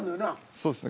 そうっすね